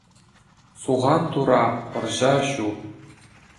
Сухан тура, пӑрҫа ҫу.